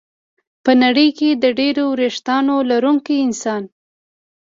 ه نړۍ کې د ډېرو وېښتو لرونکي انسان